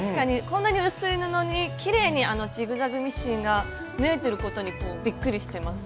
こんなに薄い布にきれいにジグザグミシンが縫えてることにびっくりしてます。